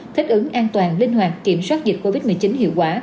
thích ứng an toàn linh hoạt kiểm soát dịch covid một mươi chín hiệu quả